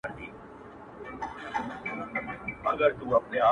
• درومم چي له ښاره روانـــــېـــږمــــه ـ